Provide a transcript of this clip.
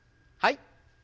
はい。